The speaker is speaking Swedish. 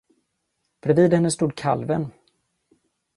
Bredvid henne stod kalven.